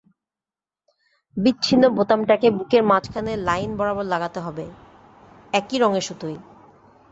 বিচ্ছিন্ন বোতামটাকে বুকের মাঝখানে লাইন বরাবর লাগাতে হবে, একই রঙের সুতোয়।